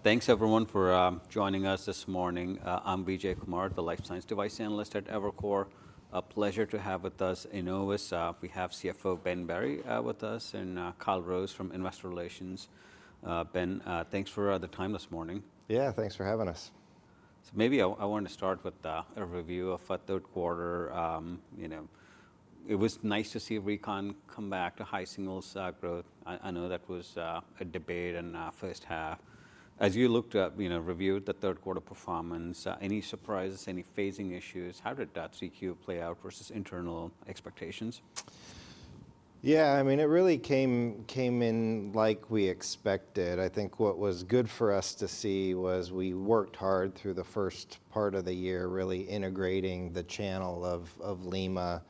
Great. Thanks, everyone, for joining us this morning. I'm Vijay Kumar, the Life Science Device Analyst at Evercore. A pleasure to have with us, Enovis. We have CFO Ben Berry with us and Kyle Rose from Investor Relations. Ben, thanks for the time this morning. Yeah, thanks for having us. So maybe I want to start with a review of third quarter. It was nice to see Recon come back to high single growth. I know that was a debate in the first half. As you looked at, reviewed the third quarter performance, any surprises, any phasing issues? How did that CQ play out versus internal expectations? Yeah, I mean, it really came in like we expected. I think what was good for us to see was we worked hard through the first part of the year, really integrating the channel of Lima,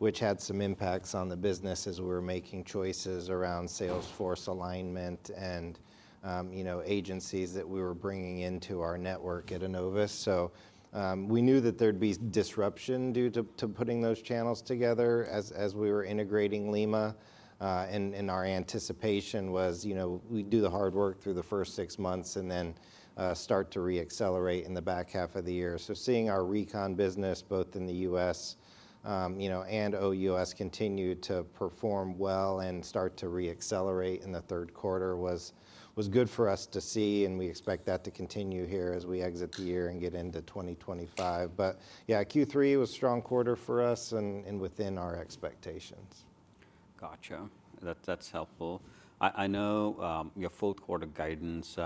which had some impacts on the business as we were making choices around sales force alignment and agencies that we were bringing into our network at Enovis, so we knew that there'd be disruption due to putting those channels together as we were integrating Lima, and our anticipation was we'd do the hard work through the first six months and then start to reaccelerate in the back half of the year, so seeing our Recon business, both in the U.S. and OUS, continue to perform well and start to reaccelerate in the third quarter was good for us to see. We expect that to continue here as we exit the year and get into 2025. Yeah, Q3 was a strong quarter for us and within our expectations. Gotcha. That's helpful. I know your fourth quarter guidance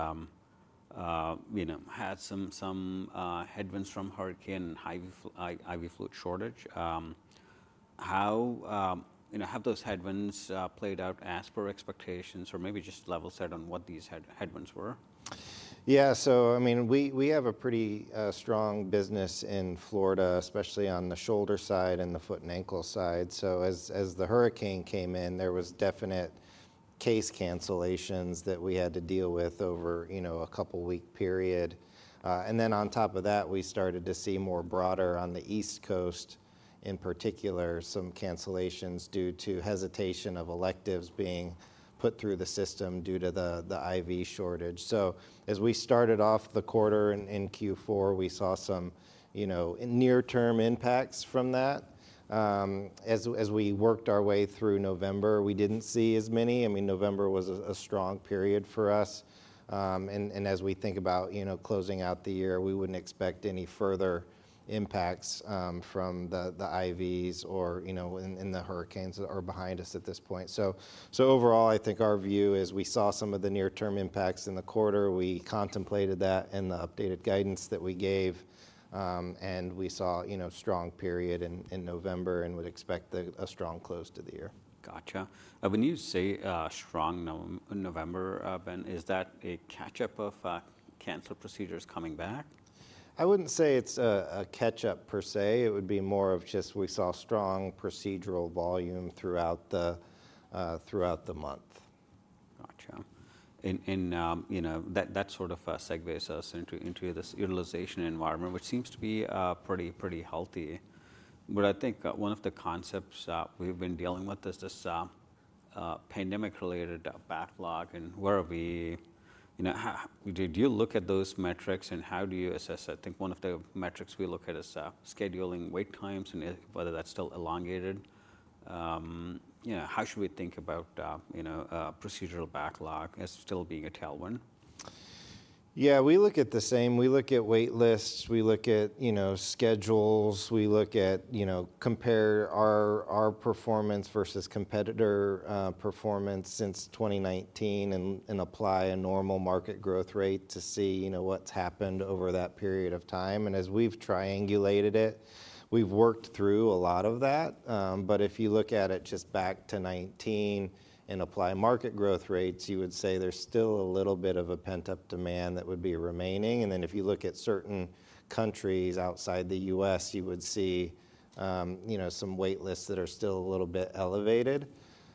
had some headwinds from hurricane and IV fluid shortage. How have those headwinds played out as per expectations or maybe just level set on what these headwinds were? Yeah, so I mean, we have a pretty strong business in Florida, especially on the Shoulder side and the Foot & Ankle side. So as the hurricane came in, there was definite case cancellations that we had to deal with over a couple of weeks period. And then on top of that, we started to see more broader on the East Coast, in particular, some cancellations due to hesitation of electives being put through the system due to the IV shortage. So as we started off the quarter in Q4, we saw some near-term impacts from that. As we worked our way through November, we didn't see as many. I mean, November was a strong period for us. And as we think about closing out the year, we wouldn't expect any further impacts from the IVs or in the hurricanes that are behind us at this point. Overall, I think our view is we saw some of the near-term impacts in the quarter. We contemplated that in the updated guidance that we gave. We saw a strong period in November and would expect a strong close to the year. Gotcha. When you say strong November, Ben, is that a catch-up of canceled procedures coming back? I wouldn't say it's a catch-up per se. It would be more of just we saw strong procedural volume throughout the month. Gotcha. And that sort of segues us into this utilization environment, which seems to be pretty healthy. But I think one of the concepts we've been dealing with is this pandemic-related backlog. And where are we? Did you look at those metrics and how do you assess that? I think one of the metrics we look at is scheduling wait times and whether that's still elongated. How should we think about procedural backlog as still being a tailwind? Yeah, we look at the same. We look at wait lists. We look at schedules. We look at compare our performance versus competitor performance since 2019 and apply a normal market growth rate to see what's happened over that period of time. And as we've triangulated it, we've worked through a lot of that. But if you look at it just back to 2019 and apply market growth rates, you would say there's still a little bit of a pent-up demand that would be remaining. And then if you look at certain countries outside the U.S., you would see some wait lists that are still a little bit elevated.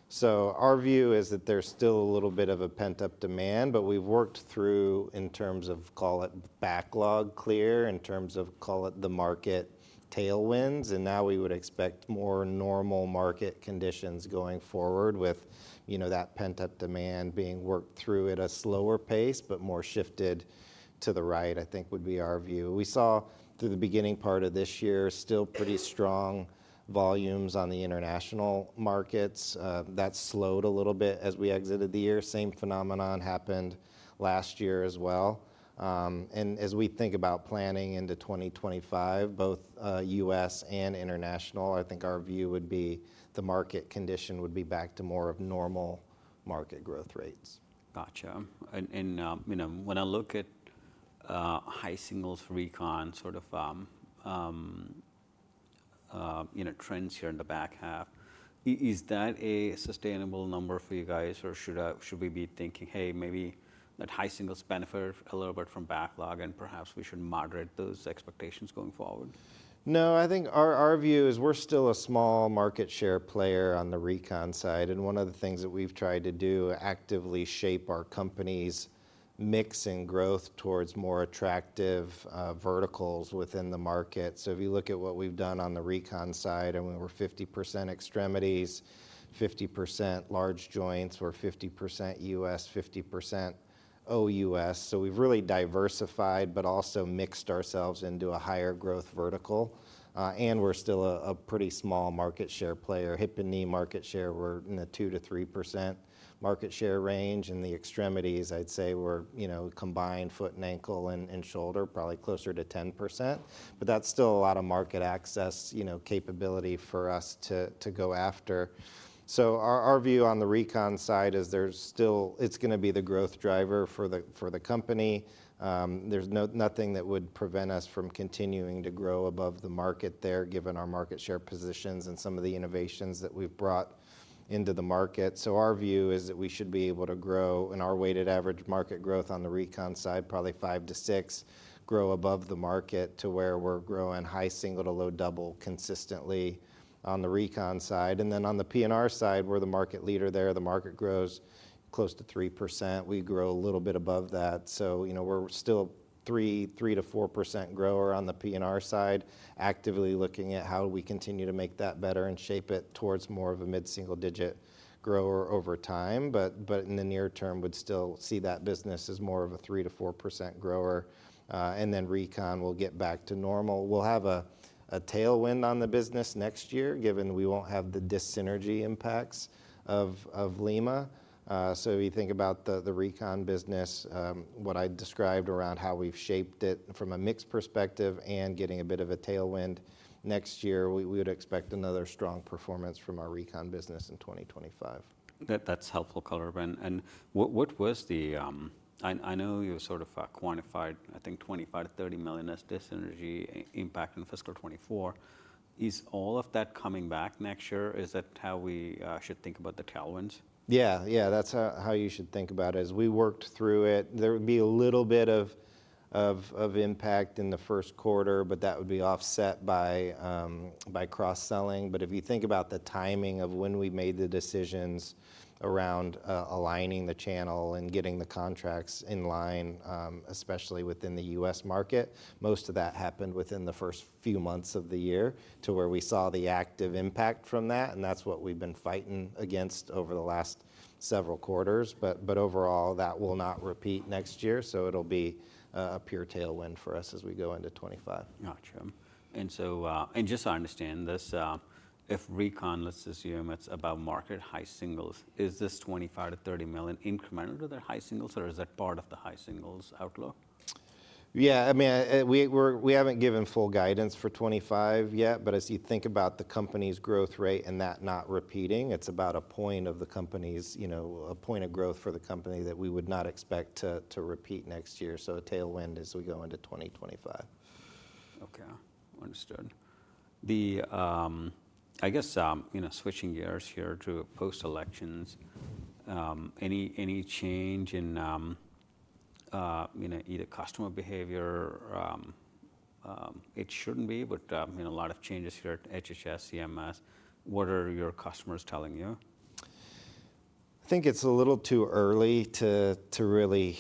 So our view is that there's still a little bit of a pent-up demand, but we've worked through in terms of, call it backlog clear, in terms of, call it the market tailwinds. Now we would expect more normal market conditions going forward with that pent-up demand being worked through at a slower pace, but more shifted to the right, I think would be our view. We saw through the beginning part of this year, still pretty strong volumes on the international markets. That slowed a little bit as we exited the year. Same phenomenon happened last year as well. As we think about planning into 2025, both U.S. and international, I think our view would be the market condition would be back to more of normal market growth rates. Gotcha. And when I look at high singles Recon sort of trends here in the back half, is that a sustainable number for you guys or should we be thinking, hey, maybe that high singles benefit a little bit from backlog and perhaps we should moderate those expectations going forward? No, I think our view is we're still a small market share player on the Recon side. And one of the things that we've tried to do is actively shape our company's mix and growth towards more attractive verticals within the market. So if you look at what we've done on the Recon side, and we were 50% extremities, 50% large joints, we're 50% U.S., 50% OUS. So we've really diversified, but also mixed ourselves into a higher growth vertical. And we're still a pretty small market share player. Hip and Knee market share, we're in the 2%-3% market share range. And the extremities, I'd say we're combined Foot & Ankle and Shoulder, probably closer to 10%. But that's still a lot of market access capability for us to go after. So our view on the Recon side is there's still. It's going to be the growth driver for the company. There's nothing that would prevent us from continuing to grow above the market there, given our market share positions and some of the innovations that we've brought into the market. So our view is that we should be able to grow in our weighted average market growth on the Recon side, probably 5%-6%, grow above the market to where we're growing high single to low double consistently on the Recon side. And then on the P&R side, we're the market leader there. The market grows close to 3%. We grow a little bit above that. So we're still 3%-4% grower on the P&R side, actively looking at how we continue to make that better and shape it towards more of a mid-single digit grower over time. But in the near term, we'd still see that business as more of a 3%-4% grower. And then Recon will get back to normal. We'll have a tailwind on the business next year, given we won't have the dissynergy impacts of Lima. So if you think about the Recon business, what I described around how we've shaped it from a mixed perspective and getting a bit of a tailwind next year, we would expect another strong performance from our Recon business in 2025. That's helpful, color. And what was the, I know you sort of quantified, I think $25 million-$30 million as dissynergy impact in fiscal 2024. Is all of that coming back next year? Is that how we should think about the tailwinds? Yeah, yeah, that's how you should think about it. As we worked through it, there would be a little bit of impact in the first quarter, but that would be offset by cross-selling. But if you think about the timing of when we made the decisions around aligning the channel and getting the contracts in line, especially within the U.S. market, most of that happened within the first few months of the year to where we saw the active impact from that. And that's what we've been fighting against over the last several quarters. But overall, that will not repeat next year. So it'll be a pure tailwind for us as we go into 2025. Gotcha. And just so I understand this, if Recon, let's assume it's about market high singles, is this $25 million-$30 million incremental to their high singles or is that part of the high singles outlook? Yeah, I mean, we haven't given full guidance for 2025 yet, but as you think about the company's growth rate and that not repeating, it's about a point off the company's, a point of growth for the company that we would not expect to repeat next year. So a tailwind as we go into 2025. Okay, understood. I guess switching gears here to post-elections, any change in either customer behavior? It shouldn't be, but a lot of changes here at HHS, CMS. What are your customers telling you? I think it's a little too early to really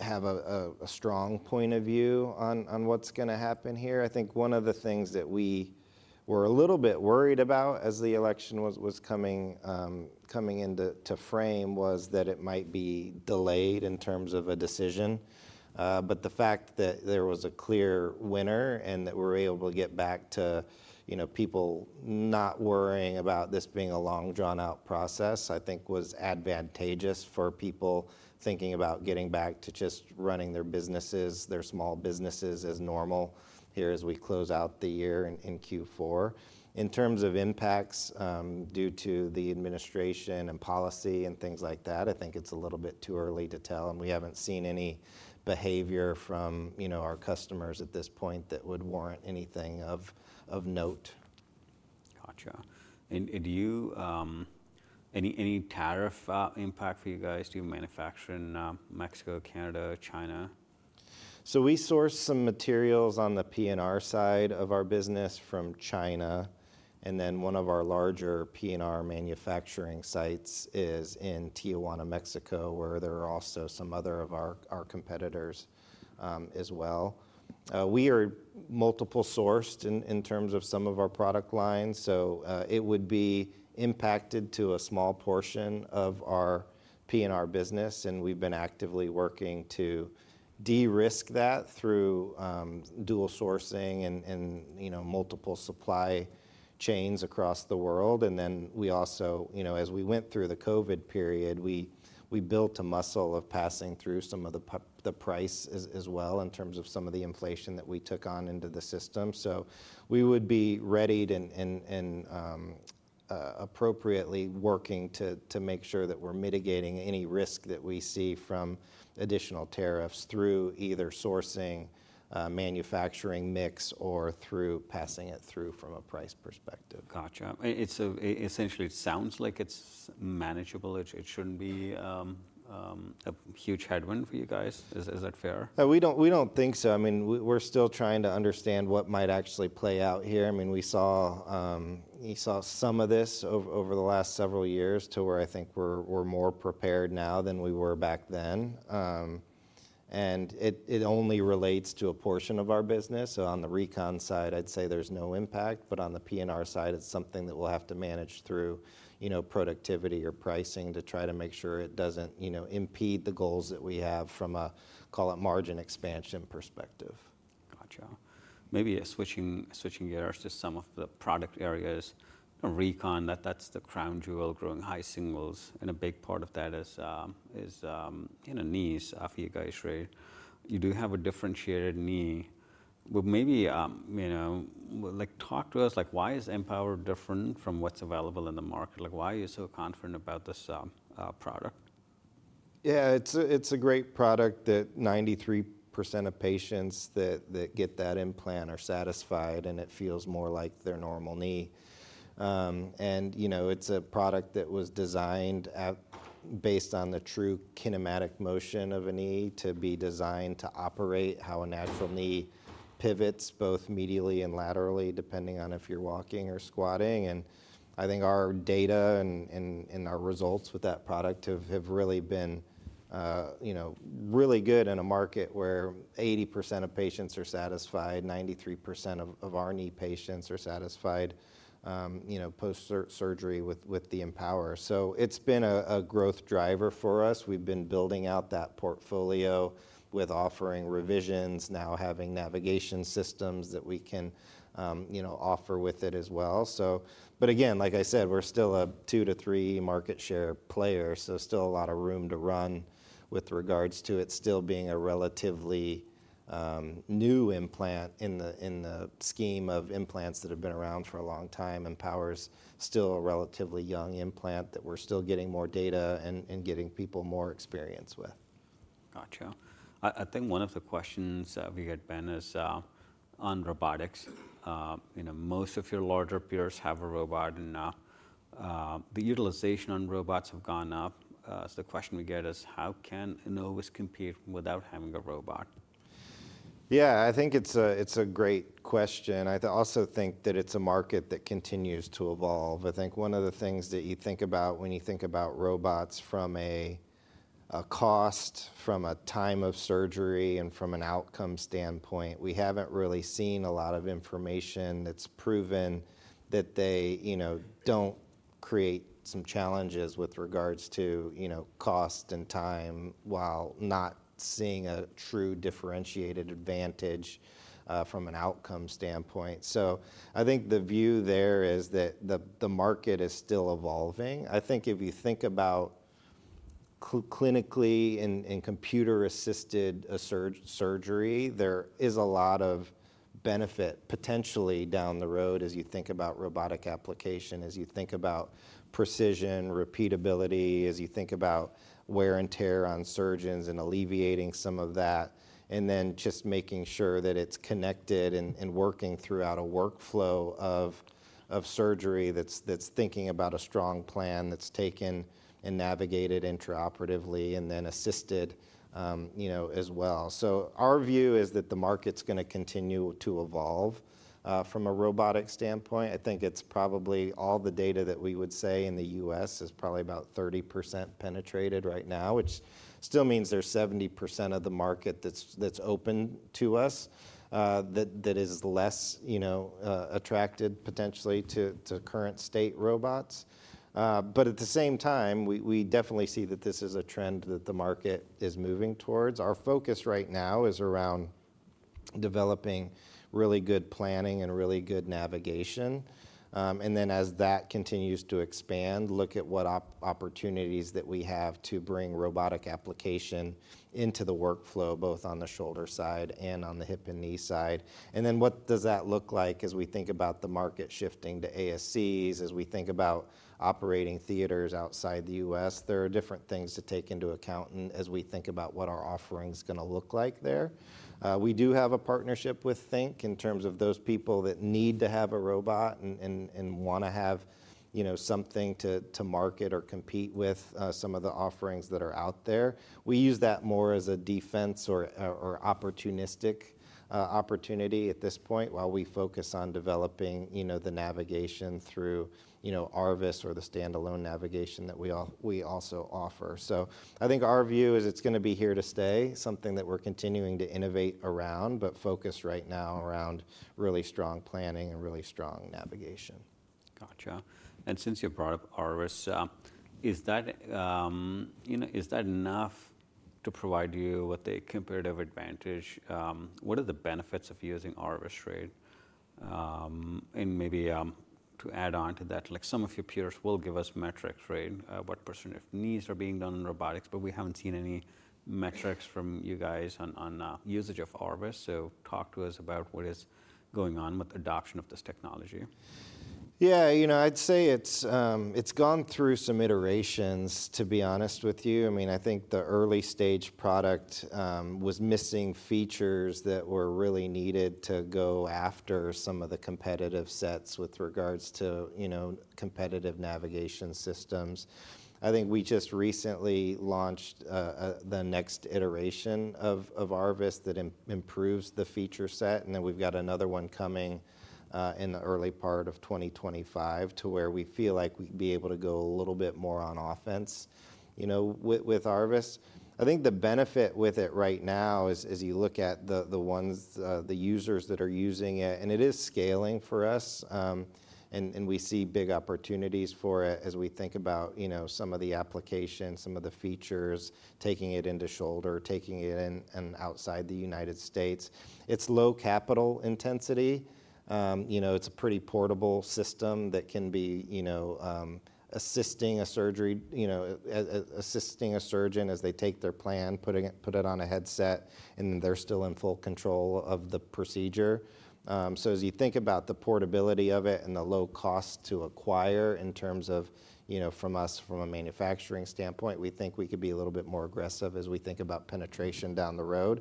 have a strong point of view on what's going to happen here. I think one of the things that we were a little bit worried about as the election was coming into frame was that it might be delayed in terms of a decision. But the fact that there was a clear winner and that we're able to get back to people not worrying about this being a long drawn-out process, I think was advantageous for people thinking about getting back to just running their businesses, their small businesses as normal here as we close out the year in Q4. In terms of impacts due to the administration and policy and things like that, I think it's a little bit too early to tell. We haven't seen any behavior from our customers at this point that would warrant anything of note. Gotcha. Any tariff impact for you guys? Do you manufacture in Mexico, Canada, China? So we source some materials on the P&R side of our business from China. And then one of our larger P&R manufacturing sites is in Tijuana, Mexico, where there are also some other of our competitors as well. We are multiple-sourced in terms of some of our product lines. So it would be impacted to a small portion of our P&R business. And we've been actively working to de-risk that through dual sourcing and multiple supply chains across the world. And then we also, as we went through the COVID period, we built a muscle of passing through some of the price as well in terms of some of the inflation that we took on into the system. We would be ready and appropriately working to make sure that we're mitigating any risk that we see from additional tariffs through either sourcing, manufacturing mix, or through passing it through from a price perspective. Gotcha. It essentially sounds like it's manageable. It shouldn't be a huge headwind for you guys. Is that fair? We don't think so. I mean, we're still trying to understand what might actually play out here. I mean, we saw some of this over the last several years to where I think we're more prepared now than we were back then. And it only relates to a portion of our business. So on the Recon side, I'd say there's no impact. But on the P&R side, it's something that we'll have to manage through productivity or pricing to try to make sure it doesn't impede the goals that we have from a, call it margin expansion perspective. Gotcha. Maybe switching gears to some of the product areas. Recon, that's the crown jewel, growing high singles. And a big part of that is knees for you guys, right? You do have a differentiated knee. But maybe talk to us, why is EMPOWR different from what's available in the market? Why are you so confident about this product? Yeah, it's a great product that 93% of patients that get that implant are satisfied, and it feels more like their normal knee. And it's a product that was designed based on the true kinematic motion of a knee to be designed to operate how a natural knee pivots both medially and laterally depending on if you're walking or squatting. And I think our data and our results with that product have really been really good in a market where 80% of patients are satisfied, 93% of our knee patients are satisfied post-surgery with the EMPOWR. So it's been a growth driver for us. We've been building out that portfolio with offering revisions, now having navigation systems that we can offer with it as well. But again, like I said, we're still a 2%-3% market share player, so still a lot of room to run with regards to it still being a relatively new implant in the scheme of implants that have been around for a long time. EMPOWR is still a relatively young implant that we're still getting more data and getting people more experience with. Gotcha. I think one of the questions we had been is on robotics. Most of your larger peers have a robot, and the utilization on robots have gone up. The question we get is, how can Enovis compete without having a robot? Yeah, I think it's a great question. I also think that it's a market that continues to evolve. I think one of the things that you think about when you think about robots from a cost, from a time of surgery, and from an outcome standpoint, we haven't really seen a lot of information that's proven that they don't create some challenges with regards to cost and time while not seeing a true differentiated advantage from an outcome standpoint. So I think the view there is that the market is still evolving. I think if you think about clinically and computer-assisted surgery, there is a lot of benefit potentially down the road as you think about robotic application, as you think about precision, repeatability, as you think about wear and tear on surgeons and alleviating some of that, and then just making sure that it's connected and working throughout a workflow of surgery that's thinking about a strong plan that's taken and navigated intraoperatively and then assisted as well. So our view is that the market's going to continue to evolve from a robotic standpoint. I think it's probably all the data that we would say in the U.S. is probably about 30% penetrated right now, which still means there's 70% of the market that's open to us that is less attracted potentially to current state robots. But at the same time, we definitely see that this is a trend that the market is moving towards. Our focus right now is around developing really good planning and really good navigation. And then as that continues to expand, look at what opportunities that we have to bring robotic application into the workflow, both on the Shoulder side and on the Hip and Knee side. And then what does that look like as we think about the market shifting to ASCs, as we think about operating theaters outside the U.S.? There are different things to take into account as we think about what our offering's going to look like there. We do have a partnership with THINK in terms of those people that need to have a robot and want to have something to market or compete with some of the offerings that are out there. We use that more as a defense or opportunistic opportunity at this point while we focus on developing the navigation through ARVIS or the standalone navigation that we also offer. So I think our view is it's going to be here to stay, something that we're continuing to innovate around, but focus right now around really strong planning and really strong navigation. Gotcha. And since you brought up ARVIS, is that enough to provide you with a competitive advantage? What are the benefits of using ARVIS, right? And maybe to add on to that, some of your peers will give us metrics, right? What percentage of knees are being done in robotics, but we haven't seen any metrics from you guys on usage of ARVIS. So talk to us about what is going on with adoption of this technology. Yeah, you know I'd say it's gone through some iterations, to be honest with you. I mean, I think the early stage product was missing features that were really needed to go after some of the competitive sets with regards to competitive navigation systems. I think we just recently launched the next iteration of ARVIS that improves the feature set. And then we've got another one coming in the early part of 2025 to where we feel like we'd be able to go a little bit more on offense with ARVIS. I think the benefit with it right now is you look at the users that are using it, and it is scaling for us. And we see big opportunities for it as we think about some of the applications, some of the features, taking it into shoulder, taking it in and outside the United States. It's low capital intensity. It's a pretty portable system that can be assisting a surgeon as they take their plan, put it on a headset, and then they're still in full control of the procedure. So as you think about the portability of it and the low cost to acquire in terms of from us, from a manufacturing standpoint, we think we could be a little bit more aggressive as we think about penetration down the road.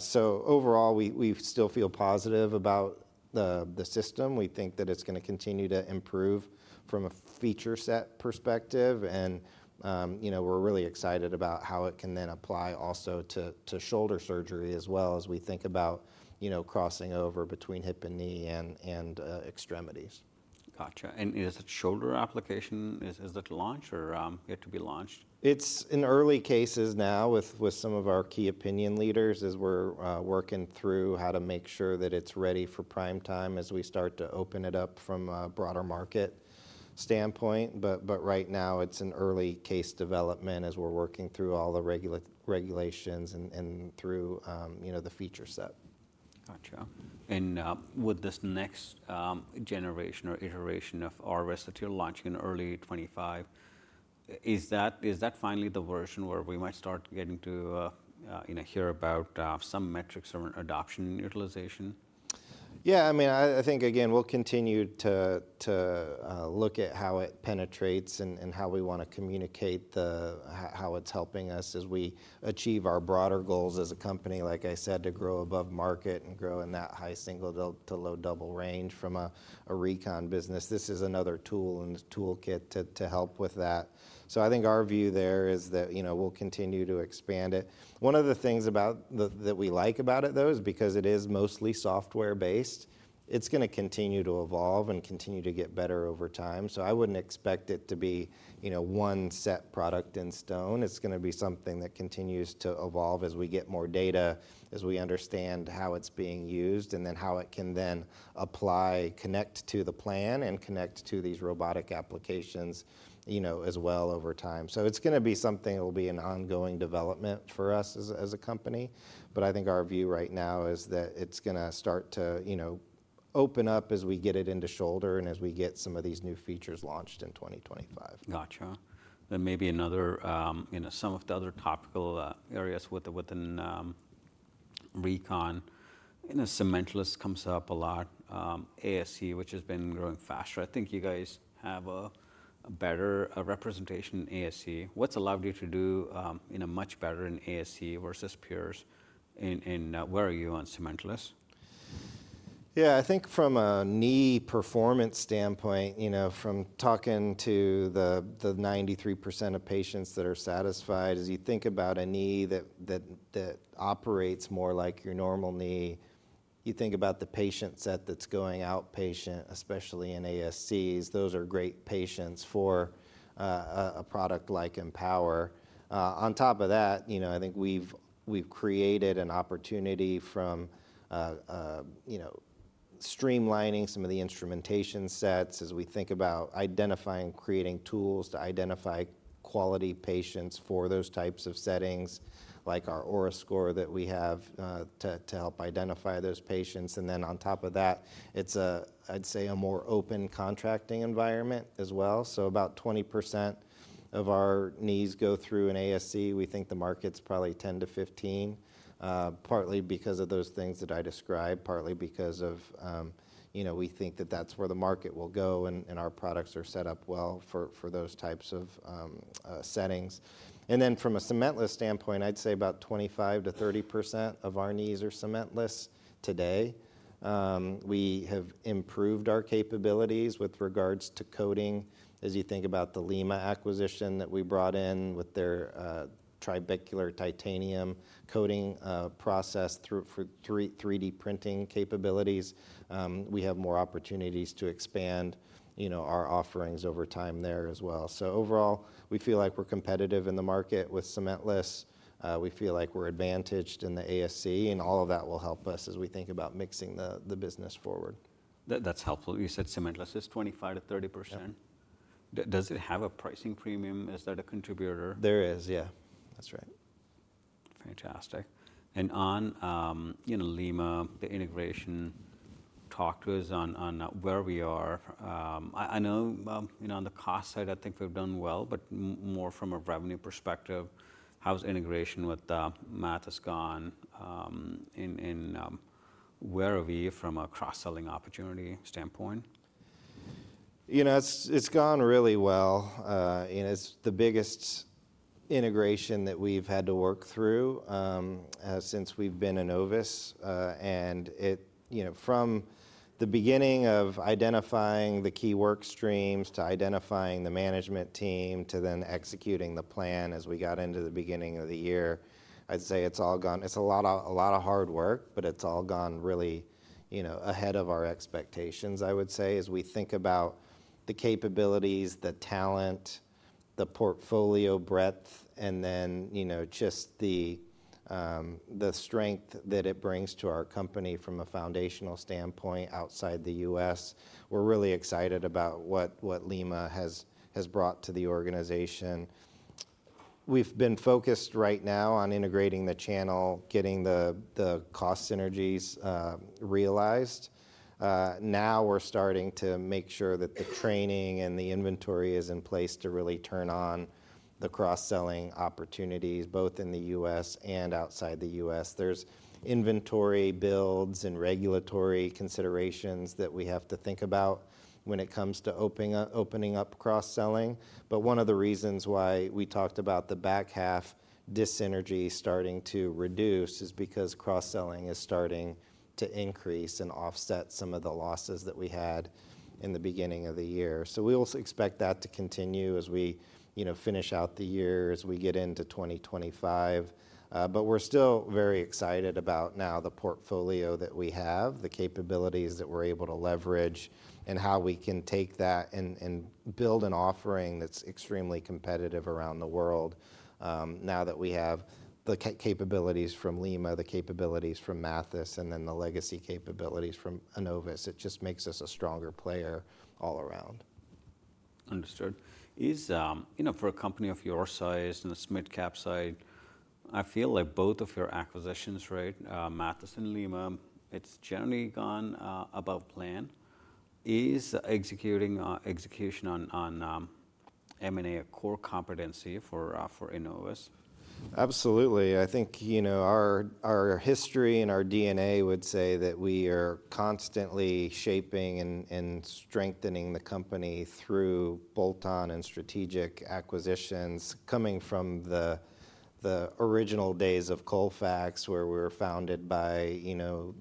So overall, we still feel positive about the system. We think that it's going to continue to improve from a feature set perspective. And we're really excited about how it can then apply also to shoulder surgery as well as we think about crossing over between Hip and Knee and extremities. Gotcha. And is it Shoulder application? Is it launched or yet to be launched? It's in early cases now with some of our key opinion leaders as we're working through how to make sure that it's ready for prime time as we start to open it up from a broader market standpoint. But right now, it's an early case development as we're working through all the regulations and through the feature set. Gotcha. And with this next generation or iteration of ARVIS that you're launching in early 2025, is that finally the version where we might start getting to hear about some metrics around adoption and utilization? Yeah, I mean, I think, again, we'll continue to look at how it penetrates and how we want to communicate how it's helping us as we achieve our broader goals as a company, like I said, to grow above market and grow in that high single to low double range from a Recon business. This is another tool and toolkit to help with that. So I think our view there is that we'll continue to expand it. One of the things that we like about it, though, is because it is mostly software-based, it's going to continue to evolve and continue to get better over time. So I wouldn't expect it to be one set product in stone. It's going to be something that continues to evolve as we get more data, as we understand how it's being used, and then how it can then apply, connect to the plan, and connect to these robotic applications as well over time. So it's going to be something that will be an ongoing development for us as a company. But I think our view right now is that it's going to start to open up as we get it into shoulder and as we get some of these new features launched in 2025. Gotcha. And maybe some of the other topical areas within Recon, cementless comes up a lot, ASC, which has been growing faster. I think you guys have a better representation in ASC. What's allowed you to do in a much better in ASC versus peers? And where are you on cementless? Yeah, I think from a knee performance standpoint, from talking to the 93% of patients that are satisfied, as you think about a knee that operates more like your normal knee, you think about the patient set that's going outpatient, especially in ASCs, those are great patients for a product like EMPOWR. On top of that, I think we've created an opportunity from streamlining some of the instrumentation sets as we think about identifying and creating tools to identify quality patients for those types of settings, like our OARAScore that we have to help identify those patients. And then on top of that, it's, I'd say, a more open contracting environment as well. So about 20% of our knees go through an ASC. We think the market's probably 10%-15%, partly because of those things that I described, partly because we think that that's where the market will go and our products are set up well for those types of settings. Then from a cementless standpoint, I'd say about 25%-30% of our knees are cementless today. We have improved our capabilities with regards to coating. As you think about the Lima acquisition that we brought in with their Trabecular Titanium coating process through 3D printing capabilities, we have more opportunities to expand our offerings over time there as well. So overall, we feel like we're competitive in the market with cementless. We feel like we're advantaged in the ASC, and all of that will help us as we think about moving the business forward. That's helpful. You said cementless is 25%-30%. Does it have a pricing premium? Is that a contributor? There is, yeah. That's right. Fantastic. And on Lima, the integration, talk to us on where we are. I know on the cost side, I think we've done well, but more from a revenue perspective, how's integration with Mathys gone and where are we from a cross-selling opportunity standpoint? It's gone really well. It's the biggest integration that we've had to work through since we've been in Enovis. And from the beginning of identifying the key work streams to identifying the management team to then executing the plan as we got into the beginning of the year, I'd say it's all gone. It's a lot of hard work, but it's all gone really ahead of our expectations, I would say, as we think about the capabilities, the talent, the portfolio breadth, and then just the strength that it brings to our company from a foundational standpoint outside the U.S. We're really excited about what Lima has brought to the organization. We've been focused right now on integrating the channel, getting the cost synergies realized. Now we're starting to make sure that the training and the inventory is in place to really turn on the cross-selling opportunities, both in the U.S. and outside the U.S. There's inventory builds and regulatory considerations that we have to think about when it comes to opening up cross-selling. But one of the reasons why we talked about the back half dissynergy starting to reduce is because cross-selling is starting to increase and offset some of the losses that we had in the beginning of the year. So we also expect that to continue as we finish out the year, as we get into 2025. But we're still very excited about now the portfolio that we have, the capabilities that we're able to leverage, and how we can take that and build an offering that's extremely competitive around the world now that we have the capabilities from Lima, the capabilities from Mathys, and then the legacy capabilities from Enovis. It just makes us a stronger player all around. Understood. For a company of your size and the mid-cap side, I feel like both of your acquisitions, right, Mathys and Lima, it's generally gone above plan. Is execution on M&A a core competency for Enovis? Absolutely. I think our history and our DNA would say that we are constantly shaping and strengthening the company through bolt-on and strategic acquisitions coming from the original days of Colfax where we were founded by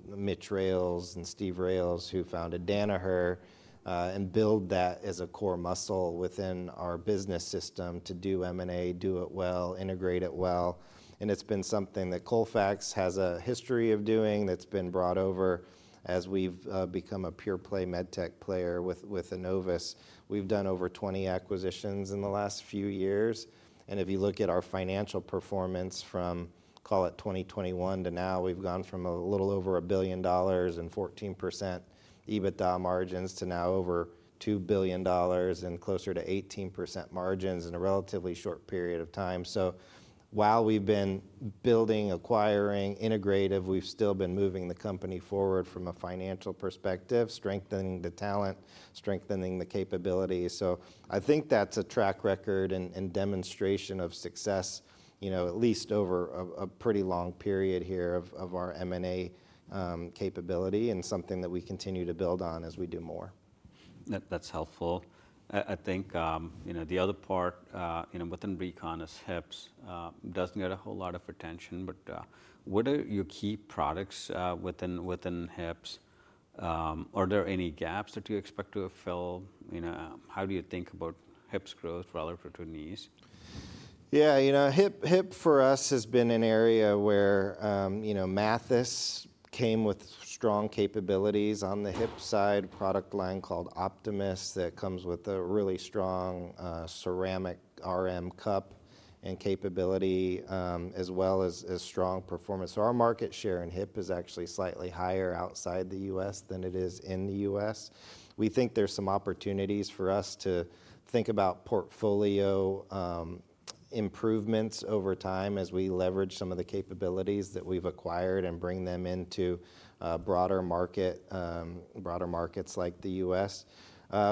Mitch Rales and Steve Rales, who founded Danaher, and build that as a core muscle within our business system to do M&A, do it well, integrate it well. And it's been something that Colfax has a history of doing that's been brought over as we've become a pure-play med tech player with Enovis. We've done over 20 acquisitions in the last few years. And if you look at our financial performance from, call it 2021 to now, we've gone from a little over $1 billion and 14% EBITDA margins to now over $2 billion and closer to 18% margins in a relatively short period of time. So while we've been building, acquiring, integrating, we've still been moving the company forward from a financial perspective, strengthening the talent, strengthening the capabilities. So I think that's a track record and demonstration of success, at least over a pretty long period here of our M&A capability and something that we continue to build on as we do more. That's helpful. I think the other part within Recon is Hips doesn't get a whole lot of attention, but what are your key products within Hips? Are there any gaps that you expect to fill? How do you think about Hips growth relative to knees? Yeah, hip for us has been an area where Mathys came with strong capabilities on the Hip side product line called Optimys that comes with a really strong ceramic RM cup and capability as well as strong performance. So our market share in hip is actually slightly higher outside the U.S. than it is in the U.S. We think there's some opportunities for us to think about portfolio improvements over time as we leverage some of the capabilities that we've acquired and bring them into broader markets like the U.S.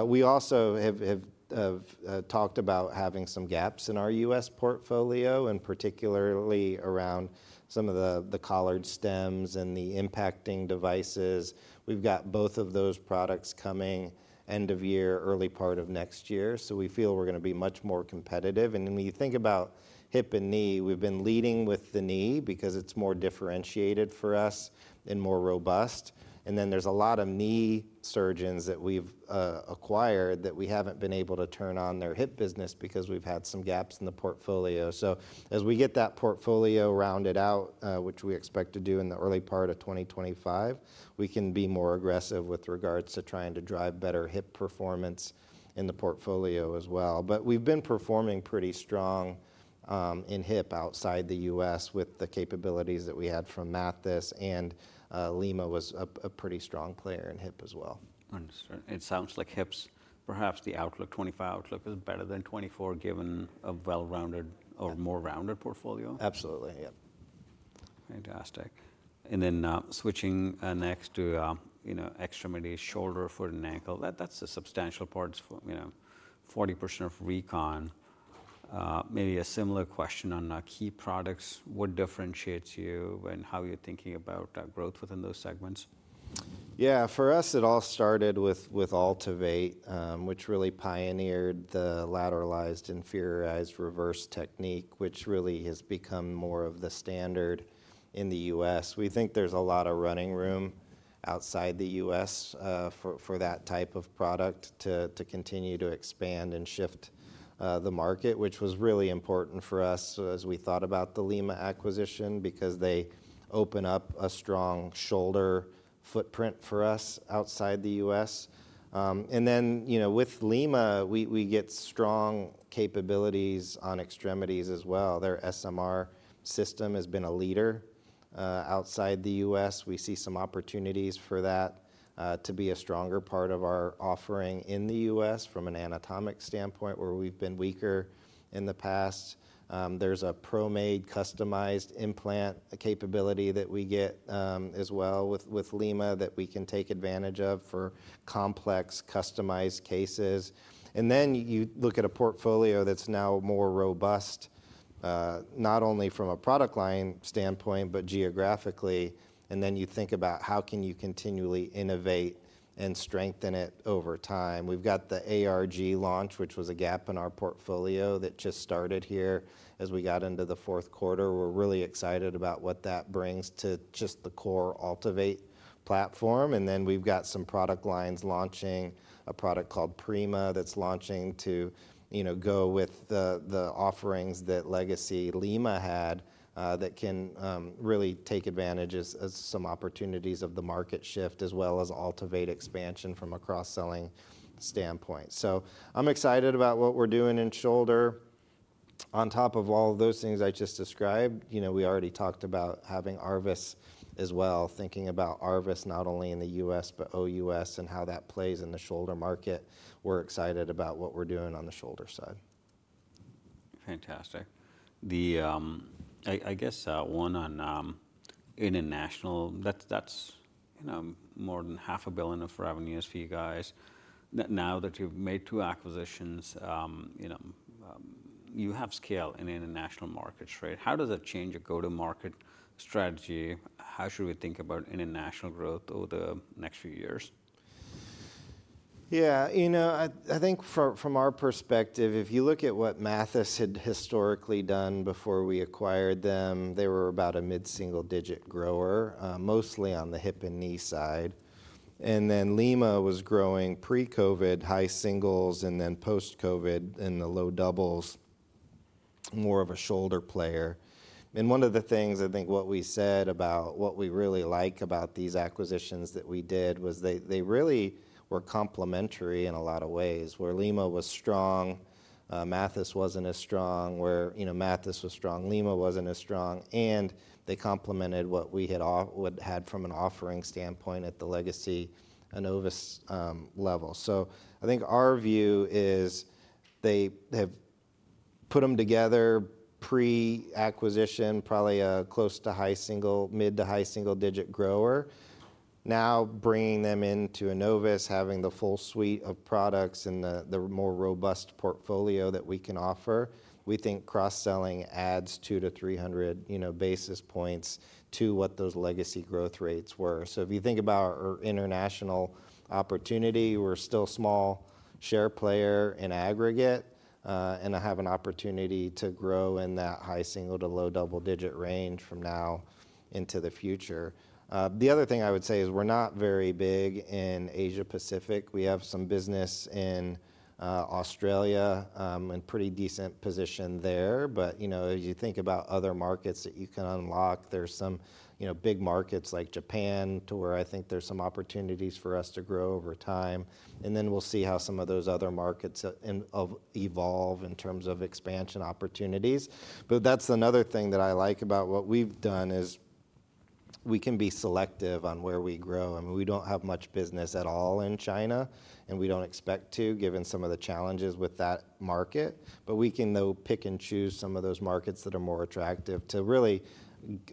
We also have talked about having some gaps in our U.S. portfolio, and particularly around some of the collared stems and the impacting devices. We've got both of those products coming end of year, early part of next year. So we feel we're going to be much more competitive. And when you think about Hip and Knee, we've been leading with the knee because it's more differentiated for us and more robust. And then there's a lot of knee surgeons that we've acquired that we haven't been able to turn on their hip business because we've had some gaps in the portfolio. So as we get that portfolio rounded out, which we expect to do in the early part of 2025, we can be more aggressive with regards to trying to drive better hip performance in the portfolio as well. But we've been performing pretty strong in hip outside the U.S. with the capabilities that we had from Mathys, and LimaCorporate was a pretty strong player in hip as well. Understood. It sounds like Hips, perhaps the outlook, 2025 outlook is better than 2024 given a well-rounded or more rounded portfolio. Absolutely, yeah. Fantastic. And then switching next to extremities, shoulder, foot, and ankle, that's a substantial part, 40% of Recon. Maybe a similar question on key products. What differentiates you and how are you thinking about growth within those segments? Yeah, for us, it all started with AltiVate, which really pioneered the lateralized inferiorized reverse technique, which really has become more of the standard in the U.S. We think there's a lot of running room outside the U.S. for that type of product to continue to expand and shift the market, which was really important for us as we thought about the Lima acquisition because they open up a strong shoulder footprint for us outside the U.S. And then with Lima, we get strong capabilities on extremities as well. Their SMR system has been a leader outside the U.S. We see some opportunities for that to be a stronger part of our offering in the U.S. from an anatomic standpoint where we've been weaker in the past. There's a ProMade customized implant capability that we get as well with Lima that we can take advantage of for complex customized cases. And then you look at a portfolio that's now more robust, not only from a product line standpoint, but geographically. And then you think about how can you continually innovate and strengthen it over time. We've got the ARG launch, which was a gap in our portfolio that just started here as we got into the fourth quarter. We're really excited about what that brings to just the core AltiVate platform. And then we've got some product lines launching, a product called PRIMA that's launching to go with the offerings that legacy Lima had that can really take advantage of some opportunities of the market shift as well as AltiVate expansion from a cross-selling standpoint. So I'm excited about what we're doing in shoulder. On top of all of those things I just described, we already talked about having ARVIS as well, thinking about ARVIS not only in the U.S., but OUS and how that plays in the shoulder market. We're excited about what we're doing on the Shoulder side. Fantastic. I guess one on international, that's more than $500 million of revenues for you guys. Now that you've made two acquisitions, you have scale in international markets, right? How does that change your go-to-market strategy? How should we think about international growth over the next few years? Yeah, I think from our perspective, if you look at what Mathys had historically done before we acquired them, they were about a mid-single-digit grower, mostly on the Hip and Knee side. And then Lima was growing pre-COVID, high singles, and then post-COVID in the low doubles, more of a shoulder player. And one of the things I think what we said about what we really like about these acquisitions that we did was they really were complementary in a lot of ways. Where Lima was strong, Mathys wasn't as strong. Where Mathys was strong, Lima wasn't as strong. And they complemented what we had from an offering standpoint at the legacy Enovis level. So I think our view is they have put them together pre-acquisition, probably a close to high single, mid- to high single-digit grower. Now bringing them into Enovis, having the full suite of products and the more robust portfolio that we can offer, we think cross-selling adds 200-300 basis points to what those legacy growth rates were. So if you think about our international opportunity, we're still a small share player in aggregate, and I have an opportunity to grow in that high single to low double-digit range from now into the future. The other thing I would say is we're not very big in Asia-Pacific. We have some business in Australia in pretty decent position there. But as you think about other markets that you can unlock, there's some big markets like Japan to where I think there's some opportunities for us to grow over time. And then we'll see how some of those other markets evolve in terms of expansion opportunities. But that's another thing that I like about what we've done is we can be selective on where we grow. I mean, we don't have much business at all in China, and we don't expect to, given some of the challenges with that market. But we can though pick and choose some of those markets that are more attractive to really,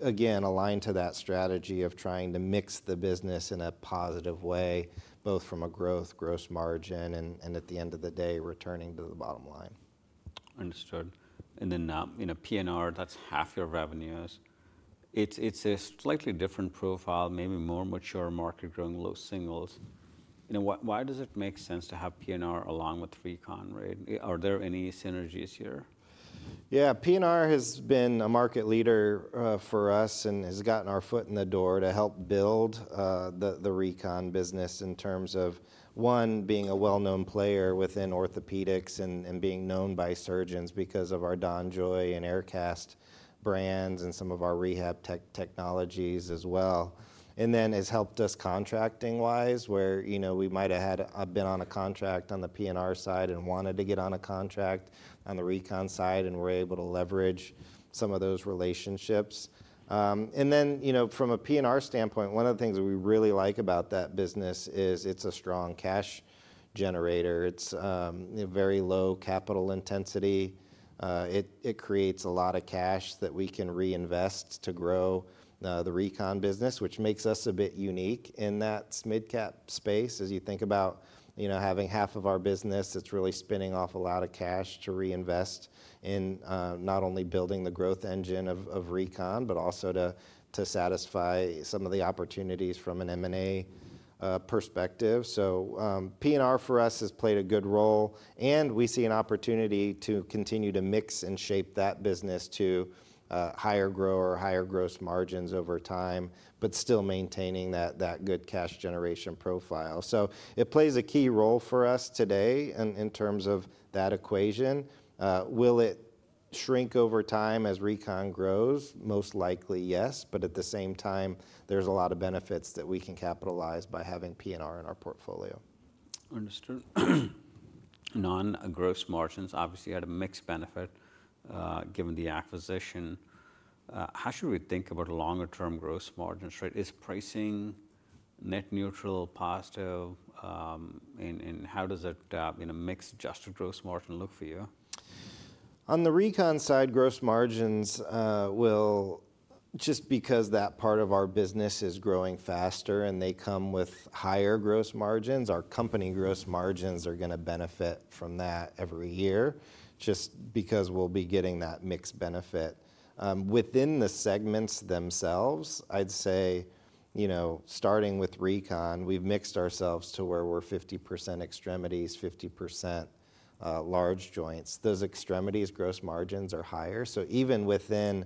again, align to that strategy of trying to mix the business in a positive way, both from a growth, gross margin, and at the end of the day, returning to the bottom line. Understood. And then P&R, that's half your revenues. It's a slightly different profile, maybe more mature market growing, low singles. Why does it make sense to have P&R along with Recon? Are there any synergies here? Yeah, P&R has been a market leader for us and has gotten our foot in the door to help build the Recon business in terms of, one, being a well-known player within orthopedics and being known by surgeons because of our DonJoy and Aircast brands and some of our rehab technologies as well. And then has helped us contracting-wise where we might have been on a contract on the P&R side and wanted to get on a contract on the Recon side and were able to leverage some of those relationships. And then from a P&R standpoint, one of the things we really like about that business is it's a strong cash generator. It's very low capital intensity. It creates a lot of cash that we can reinvest to grow the Recon business, which makes us a bit unique in that mid-cap space. As you think about having half of our business, it's really spinning off a lot of cash to reinvest in not only building the growth engine of Recon, but also to satisfy some of the opportunities from an M&A perspective. So P&R for us has played a good role, and we see an opportunity to continue to mix and shape that business to higher grower, higher gross margins over time, but still maintaining that good cash generation profile. So it plays a key role for us today in terms of that equation. Will it shrink over time as Recon grows? Most likely yes, but at the same time, there's a lot of benefits that we can capitalize by having P&R in our portfolio. Understood. Non-GAAP gross margins obviously had a mixed benefit given the acquisition. How should we think about longer-term gross margins, right? Is pricing net neutral, positive, and how does a mix-adjusted gross margin look for you? On the Recon side, gross margins will, just because that part of our business is growing faster and they come with higher gross margins, our company gross margins are going to benefit from that every year just because we'll be getting that mixed benefit. Within the segments themselves, I'd say starting with Recon, we've mixed ourselves to where we're 50% extremities, 50% large joints. Those extremities gross margins are higher. So even within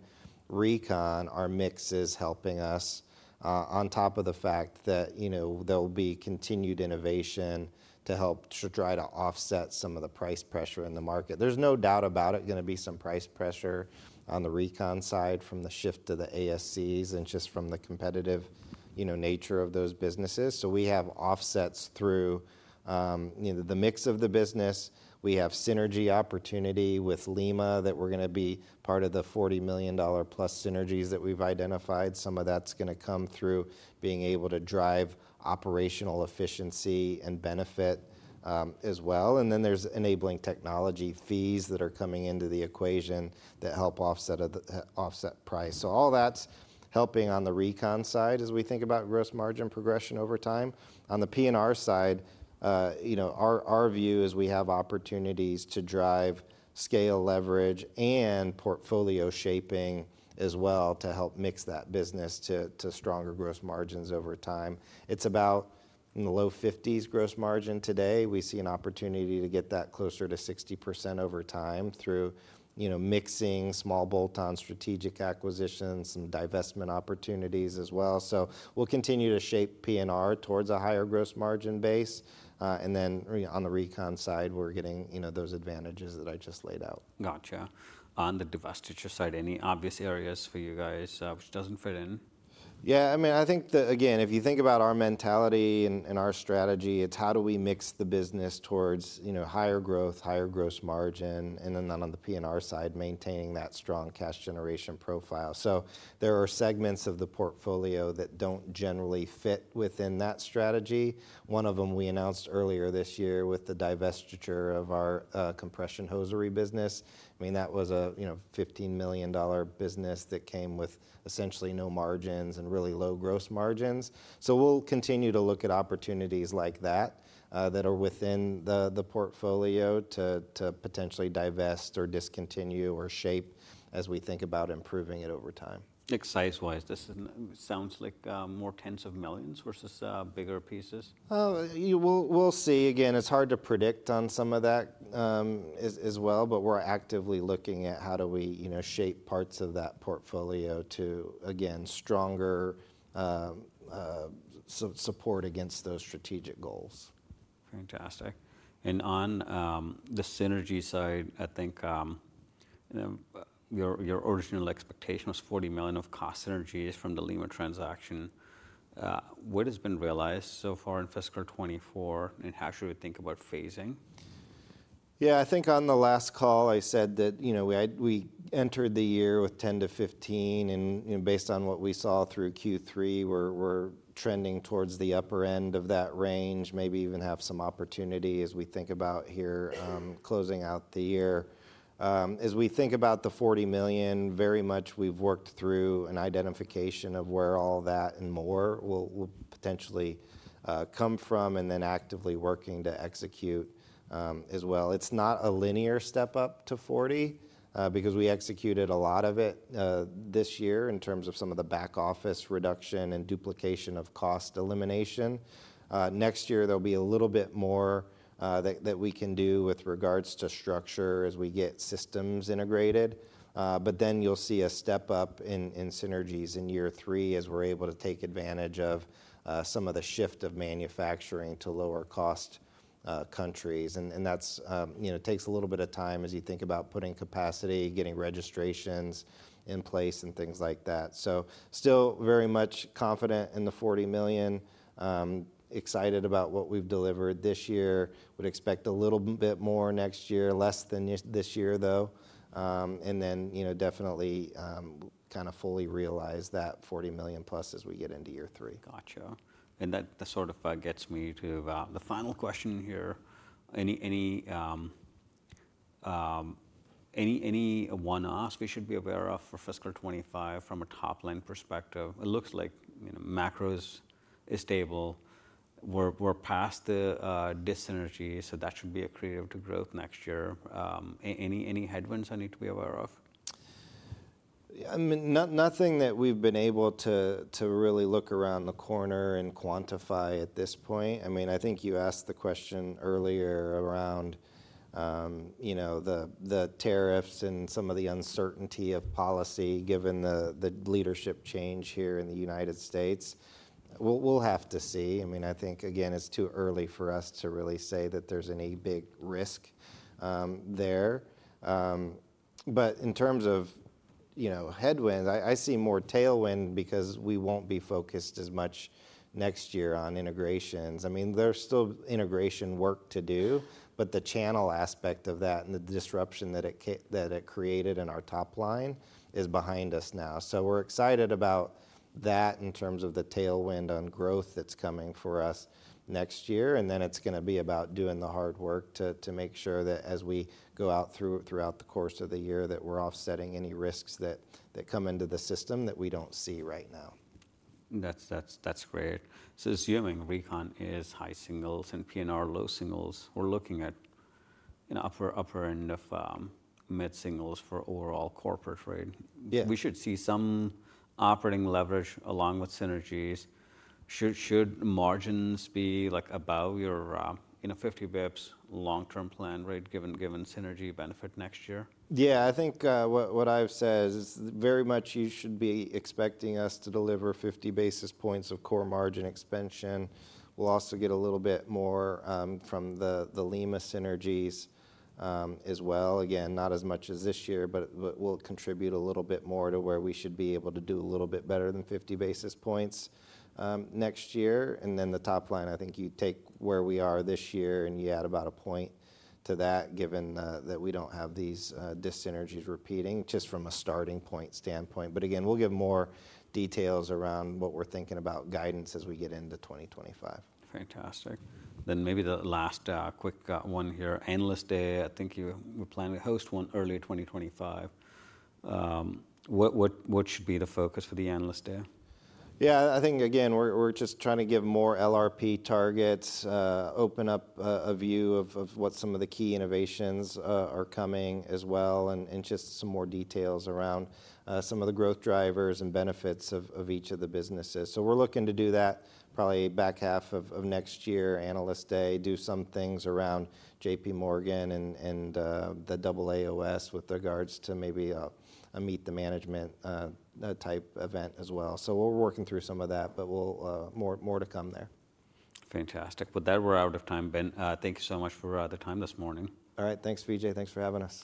Recon, our mix is helping us on top of the fact that there'll be continued innovation to help to try to offset some of the price pressure in the market. There's no doubt about it going to be some price pressure on the Recon side from the shift to the ASCs and just from the competitive nature of those businesses. So we have offsets through the mix of the business. We have synergy opportunity with Lima that we're going to be part of the $40 million+ synergies that we've identified. Some of that's going to come through being able to drive operational efficiency and benefit as well. And then there's enabling technology fees that are coming into the equation that help offset price. So all that's helping on the Recon side as we think about gross margin progression over time. On the P&R side, our view is we have opportunities to drive scale leverage and portfolio shaping as well to help mix that business to stronger gross margins over time. It's about in the low 50s gross margin today. We see an opportunity to get that closer to 60% over time through mixing small bolt-on strategic acquisitions, some divestment opportunities as well. So we'll continue to shape P&R towards a higher gross margin base. And then on the Recon side, we're getting those advantages that I just laid out. Gotcha. On the Divestiture side, any obvious areas for you guys which doesn't fit in? Yeah, I mean, I think again, if you think about our mentality and our strategy, it's how do we mix the business towards higher growth, higher gross margin, and then on the P&R side, maintaining that strong cash generation profile. So there are segments of the portfolio that don't generally fit within that strategy. One of them we announced earlier this year with the divestiture of our compression hosiery business. I mean, that was a $15 million business that came with essentially no margins and really low gross margins. So we'll continue to look at opportunities like that that are within the portfolio to potentially divest or discontinue or shape as we think about improving it over time. Like size-wise, this sounds like more tens of millions versus bigger pieces. We'll see. Again, it's hard to predict on some of that as well, but we're actively looking at how do we shape parts of that portfolio to, again, stronger support against those strategic goals. Fantastic. And on the Synergy side, I think your original expectation was $40 million of cost synergies from the Lima transaction. What has been realized so far in fiscal 2024 and how should we think about phasing? Yeah, I think on the last call, I said that we entered the year with $10-$15 million, and based on what we saw through Q3, we're trending towards the upper end of that range, maybe even have some opportunity as we think about here closing out the year. As we think about the $40 million, very much we've worked through an identification of where all that and more will potentially come from and then actively working to execute as well. It's not a linear step up to $40 million because we executed a lot of it this year in terms of some of the back office reduction and duplication of cost elimination. Next year, there'll be a little bit more that we can do with regards to structure as we get systems integrated. But then you'll see a step up in synergies in year three as we're able to take advantage of some of the shift of manufacturing to lower cost countries. And that takes a little bit of time as you think about putting capacity, getting registrations in place and things like that. So still very much confident in the $40 million, excited about what we've delivered this year. Would expect a little bit more next year, less than this year though. And then definitely kind of fully realize that $40 million+ as we get into year three. Gotcha. And that sort of gets me to the final question here. Any one-offs we should be aware of for fiscal 2025 from a top-line perspective? It looks like macros is stable. We're past the dissynergies, so that should be accretive to growth next year. Any headwinds I need to be aware of? Nothing that we've been able to really look around the corner and quantify at this point. I mean, I think you asked the question earlier around the tariffs and some of the uncertainty of policy given the leadership change here in the United States. We'll have to see. I mean, I think again, it's too early for us to really say that there's any big risk there. But in terms of headwinds, I see more tailwind because we won't be focused as much next year on integrations. I mean, there's still integration work to do, but the channel aspect of that and the disruption that it created in our top line is behind us now. So we're excited about that in terms of the tailwind on growth that's coming for us next year. And then it's going to be about doing the hard work to make sure that as we go out throughout the course of the year that we're offsetting any risks that come into the system that we don't see right now. That's great. So assuming Recon is high singles and P&R low singles, we're looking at upper end of mid singles for overall corporate rate. We should see some operating leverage along with synergies. Should margins be like above your 50 basis points long-term plan rate given synergy benefit next year? Yeah, I think what I've said is very much you should be expecting us to deliver 50 basis points of core margin expansion. We'll also get a little bit more from the Lima synergies as well. Again, not as much as this year, but we'll contribute a little bit more to where we should be able to do a little bit better than 50 basis points next year. And then the top line, I think you take where we are this year and you add about a point to that given that we don't have these dissynergies repeating just from a starting point standpoint. But again, we'll give more details around what we're thinking about guidance as we get into 2025. Fantastic. Then maybe the last quick one here. Analyst day, I think you were planning to host one early 2025. What should be the focus for the analyst day? Yeah, I think again, we're just trying to give more LRP targets, open up a view of what some of the key innovations are coming as well, and just some more details around some of the growth drivers and benefits of each of the businesses. So we're looking to do that probably back half of next year, Analyst Day, do some things around J.P. Morgan and the AAOS with regards to maybe a meet the management type event as well. So we're working through some of that, but more to come there. Fantastic. With that, we're out of time, Ben. Thank you so much for the time this morning. All right, thanks, Vijay. Thanks for having us.